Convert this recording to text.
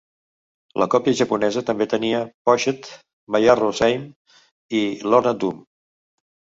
La còpia japonesa també tenia "Pushed", "My Arrow's Aim", i "Lorna Doom".